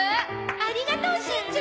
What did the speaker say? ありがとうしんちゃん！